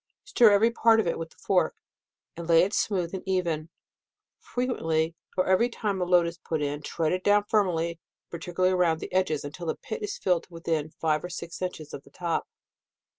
Stir every part of it with the fork, and lay it smooth and even. Frequently, or every time a load is put in, tread it down firmly, particularly around the edges, until the pit is filled to within five or six inches df the top.